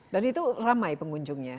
dan itu ramai pengunjungnya